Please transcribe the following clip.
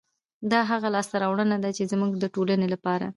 دا هغه لاسته راوړنه ده، چې زموږ د ټولنې لپاره